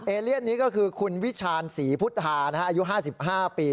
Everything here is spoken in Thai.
เลียนนี้ก็คือคุณวิชาณศรีพุทธาอายุ๕๕ปี